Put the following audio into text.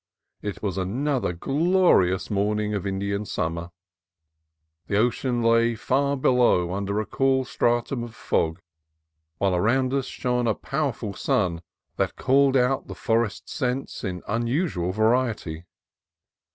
It was another glorious morning of Indian summer. The ocean lay far below under a cool stratum of fog, while around us shone a powerful sun that called out the forest scents in unusual va riety.